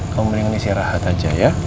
kamu mendingan isi rahat aja ya